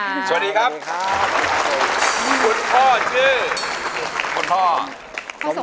อายุ๒๔ปีวันนี้บุ๋มนะคะ